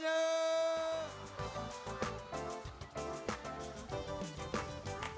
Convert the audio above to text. ya kita akan beri bantuan